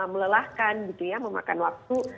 melelahkan memakan waktu